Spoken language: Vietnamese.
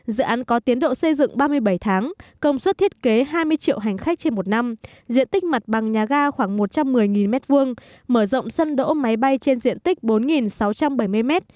dự án có tiến độ xây dựng ba mươi bảy tháng công suất thiết kế hai mươi triệu hành khách trên một năm diện tích mặt bằng nhà ga khoảng một trăm một mươi m hai mở rộng sân đỗ máy bay trên diện tích bốn sáu trăm bảy mươi m